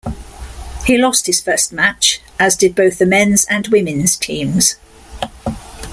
He lost his first match, as did both the men's and women's teams.